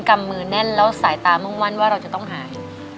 แล้วสายตามึงวันว่าเราจะต้องหาย